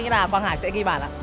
em nghĩ là quang hải sẽ ghi bản ạ